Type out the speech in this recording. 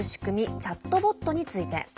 チャットボットについて。